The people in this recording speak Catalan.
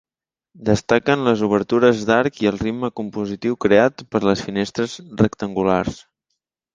Destaquen les obertures d'arc i el ritme compositiu creat per les finestres rectangulars.